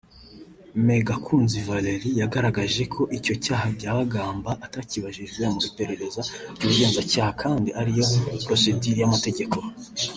Me Gakunzi Varely yagaragaje ko icyo cyaha Byabagamba atakibajijweho mu iperereza ry’ubugenzacyaha kandi ariyo ‘procedure’ y’amategeko